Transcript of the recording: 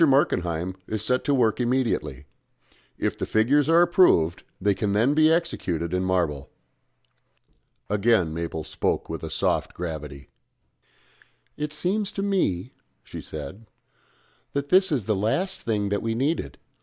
Markenheim is to set to work immediately. If the figures are approved they can then be executed in marble." Again Mabel spoke with a soft gravity. "It seems to me," she said, "that this is the last thing that we needed.